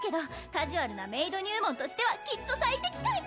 カジュアルなメイド入門としてはきっと最適解！